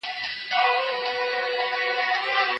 پښتانه په خپله ژبه کې ځانګړي واحدونه لري.